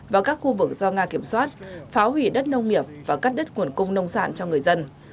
vào các khu vực do nga kiểm soát phá hủy đất nông nghiệp và cắt đứt nguồn cung nông sản cho người dân